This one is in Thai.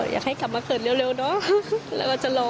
อยากให้กลับมาเกิดเร็วเนอะแล้วก็จะรอ